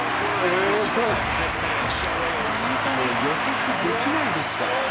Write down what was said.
予測できないですから。